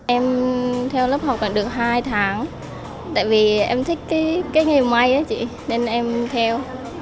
em theo lớp học là được hai tháng tại vì em thích cái nghề may chị nên em theo